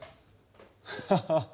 ハハハハ。